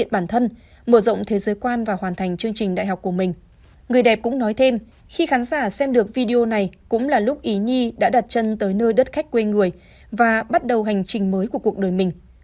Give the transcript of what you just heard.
bắt đầu hành trình mới của cuộc đời mình